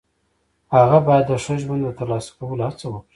هغه باید د ښه ژوند د ترلاسه کولو هڅه وکړي.